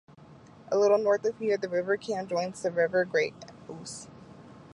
A little north of here, the River Cam joins the River Great Ouse.